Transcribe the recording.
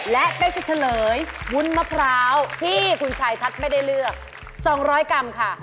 และเป๊กจะเฉลยวุ้นมะพร้าวที่คุณชายทัศน์ไม่ได้เลือก๒๐๐กรัมค่ะ